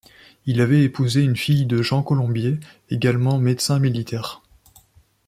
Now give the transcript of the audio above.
Il avait épousé une fille de Jean Colombier, également médecin militaire.